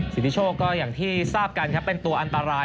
สิทธิโชคก็อย่างที่ทราบกันครับเป็นตัวอันตราย